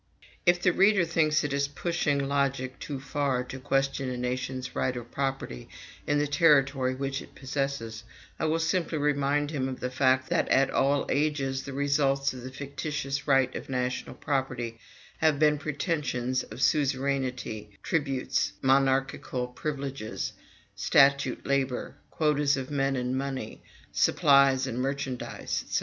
If the reader thinks it is pushing logic too far to question a nation's right of property in the territory which it possesses, I will simply remind him of the fact that at all ages the results of the fictitious right of national property have been pretensions to suzerainty, tributes, monarchical privileges, statute labor, quotas of men and money, supplies of merchandise, &c.